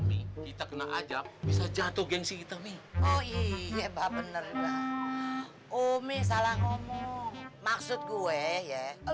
kita kena ajab bisa jatuh gengsi hitam oh iya pak bener bener umi salah ngomong maksud gue ya